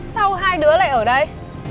sao hai đứa lại ở đây